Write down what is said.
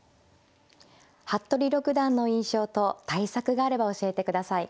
服部六段の印象と対策があれば教えてください。